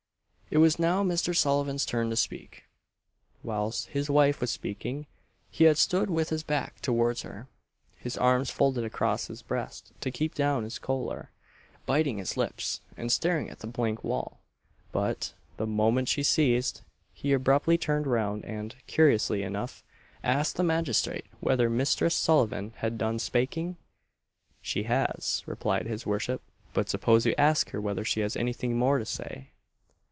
It was now Mr. Sullivan's turn to speak. Whilst his wife was speaking, he had stood with his back towards her, his arms folded across his breast to keep down his choler, biting his lips, and staring at the blank wall; but, the moment she ceased, he abruptly turned round and, curiously enough, asked the magistrate whether Misthress Sullivan had done spaking? "She has," replied his worship; "but suppose you ask her whether she has anything more to say."